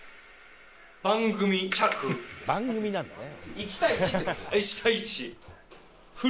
「番組なんだね」